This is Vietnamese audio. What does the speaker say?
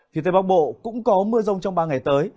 phía tây bắc bộ cũng có mưa rông trong ba ngày tới